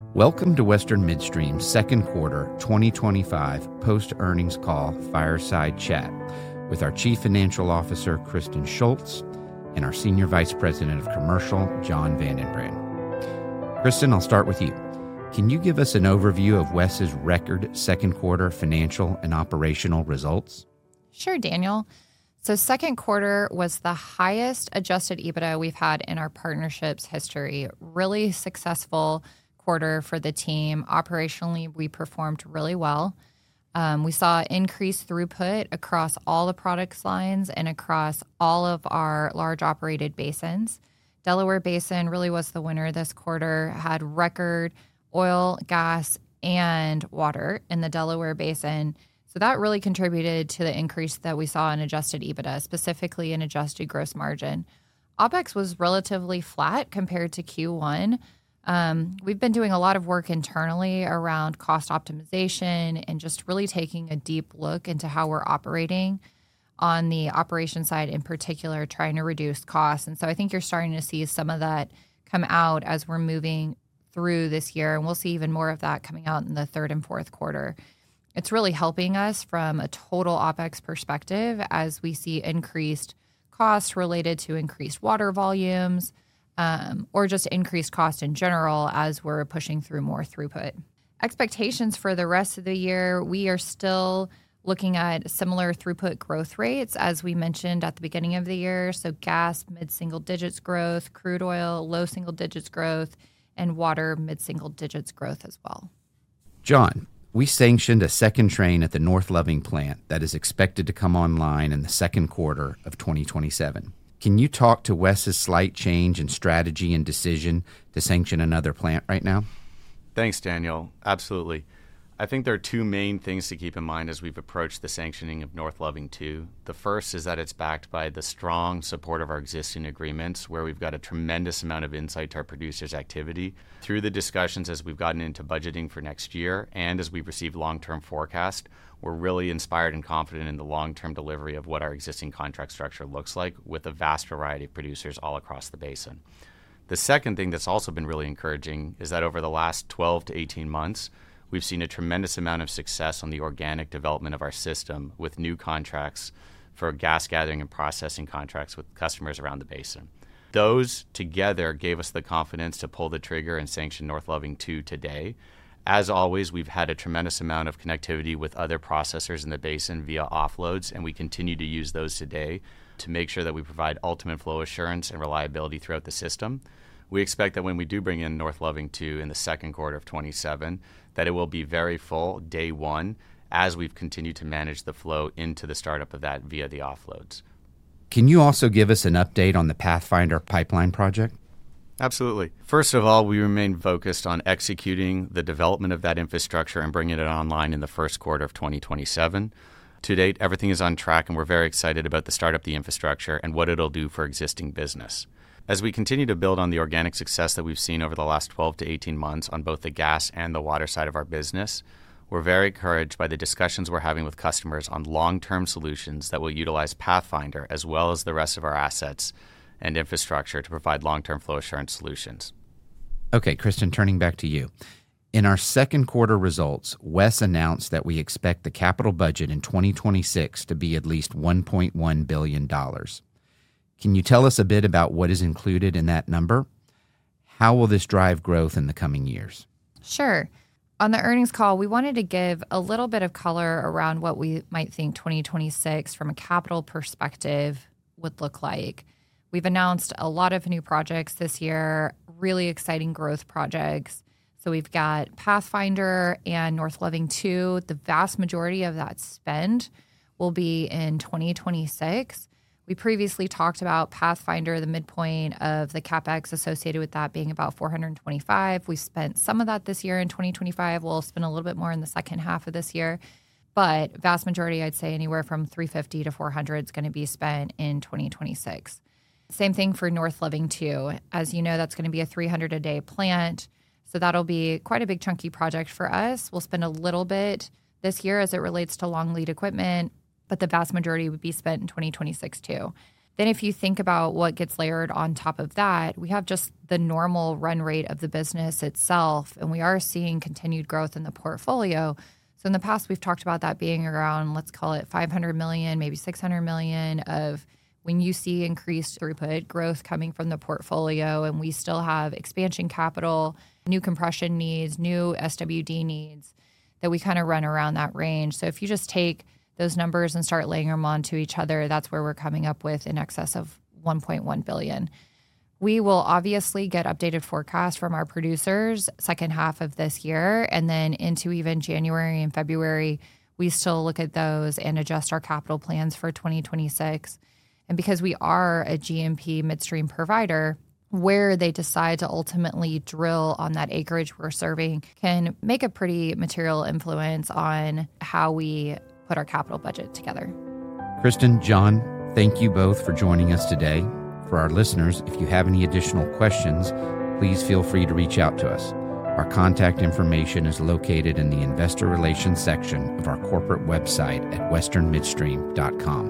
Welcome to Western Midstream Partners' Second Quarter 2025 PostEarnings Call Fireside Chat. With our Chief Financial Officer, Kristen Shults, and our Senior Vice President of Commercial, Jonathon VandenBrand. Kristen, I'll start with you. Can you give us an overview of WES's record second quarter financial and operational results? Sure, Daniel. Second quarter was the highest adjusted EBITDA we've had in our partnership's history. Really successful quarter for the team. Operationally, we performed really well. We saw increased throughput across all the product lines and across all of our large operated basins. Delaware Basin really was the winner this quarter. Had record oil, gas, and water in the Delaware Basin. That really contributed to the increase that we saw in adjusted EBITDA, specifically in adjusted gross margin. OpEx was relatively flat compared to Q1. We've been doing a lot of work internally around cost optimization initiatives and just really taking a deep look into how we're operating on the operations side in particular, trying to reduce costs. I think you're starting to see some of that come out as we're moving through this year, and we'll see even more of that coming out in the third and fourth quarter. It's really helping us from a total OpEx perspective as we see increased costs related to increased water volumes or just increased costs in general as we're pushing through more throughput. Expectations for the rest of the year, we are still looking at similar throughput growth rates as we mentioned at the beginning of the year. Gas mid-single digits growth, crude oil low single digits growth, and water mid-single digits growth as well. Jon, we sanctioned a second train at the North Loving plant that is expected to come online in the second quarter of 2027. Can you talk to Western Midstream Partners' slight change in strategy and decision to sanction another plant right now? Thanks, Daniel. Absolutely. I think there are two main things to keep in mind as we've approached the sanctioning of North Loving 2. The first is that it's backed by the strong support of our existing agreements, where we've got a tremendous amount of insight to our producers' activity. Through the discussions, as we've gotten into budgeting for next year and as we've received long-term forecasts, we're really inspired and confident in the long-term delivery of what our existing contract structure looks like with a vast variety of producers all across the basin. The second thing that's also been really encouraging is that over the last 12-18 months, we've seen a tremendous amount of success on the organic development of our system with new contracts for gas gathering and processing contracts with customers around the basin. Those together gave us the confidence to pull the trigger and sanction North Loving 2 today. As always, we've had a tremendous amount of connectivity with other processors in the basin via offloads, and we continue to use those today to make sure that we provide ultimate flow assurance and reliability throughout the system. We expect that when we do bring in North Loving 2 in the second quarter of 2027, that it will be very full day one as we've continued to manage the flow into the startup of that via the offloads. Can you also give us an update on the Pathfinder pipeline project? Absolutely. First of all, we remain focused on executing the development of that infrastructure and bringing it online in the first quarter of 2027. To date, everything is on track, and we're very excited about the startup, the infrastructure, and what it'll do for existing business. As we continue to build on the organic success that we've seen over the last 12-18 months on both the gas and the water side of our business, we're very encouraged by the discussions we're having with customers on long-term solutions that will utilize Pathfinder as well as the rest of our assets and infrastructure to provide long-term flow assurance solutions. Okay, Kristen, turning back to you. In our second quarter results, Western Midstream Partners announced that we expect the capital budget in 2026 to be at least $1.1 billion. Can you tell us a bit about what is included in that number? How will this drive growth in the coming years? Sure. On the earnings call, we wanted to give a little bit of color around what we might think 2026 from a capital perspective would look like. We've announced a lot of new projects this year, really exciting growth projects. We've got Pathfinder and North Loving 2. The vast majority of that spend will be in 2026. We previously talked about Pathfinder, the midpoint of the CapEx associated with that being about $425 million. We spent some of that this year in 2025. We'll spend a little bit more in the second half of this year, but the vast majority, I'd say anywhere from $350 million-$400 million, is going to be spent in 2026. Same thing for North Loving 2. As you know, that's going to be a 300-a-day plant, so that'll be quite a big chunky project for us. We'll spend a little bit this year as it relates to long lead equipment, but the vast majority will be spent in 2026 too. If you think about what gets layered on top of that, we have just the normal run rate of the business itself, and we are seeing continued growth in the portfolio. In the past, we've talked about that being around, let's call it $500 million, maybe $600 million, when you see increased throughput growth coming from the portfolio, and we still have expansion capital, new compression needs, new SWD needs that we kind of run around that range. If you just take those numbers and start laying them onto each other, that's where we're coming up with in excess of $1.1 billion. We will obviously get updated forecasts from our producers second half of this year, and then into even January and February, we still look at those and adjust our capital plans for 2026. Because we are a GMP midstream provider, where they decide to ultimately drill on that acreage we're serving can make a pretty material influence on how we put our capital budget together. Kristen, Jon, thank you both for joining us today. For our listeners, if you have any additional questions, please feel free to reach out to us. Our contact information is located in the Investor Relations section of our corporate website at westernmidstream.com.